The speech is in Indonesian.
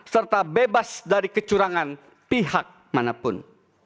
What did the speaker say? serta bebas dari kecurangan pihak manapun